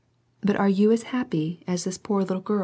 But are you as happy as this poor littiegirl?